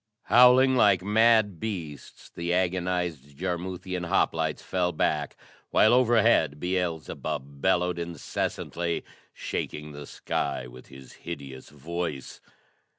Howling like mad beasts, the agonized Jarmuthian hoplites fell back, while overhead Beelzebub bellowed incessantly, shaking the sky with his hideous voice.